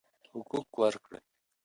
حقوق ورکړئ.